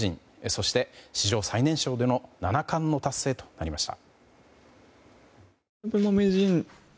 そして、史上最年少での七冠も達成となりました。